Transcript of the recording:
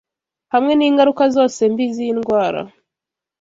hamwe n’ingaruka zose mbi z’indwara.